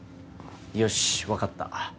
よし分かった。